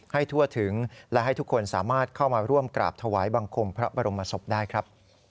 ทั่วถึงและให้ทุกคนสามารถเข้ามาร่วมกราบถวายบังคมพระบรมศพได้ครับ